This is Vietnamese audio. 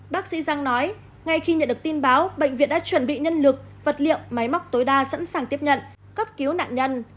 bác sĩ giang nói ngay khi nhận được tin báo bệnh viện đã chuẩn bị nhân lực vật liệu máy móc tối đa sẵn sàng tiếp nhận cấp cứu nạn nhân